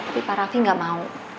tapi pak raffi gak mau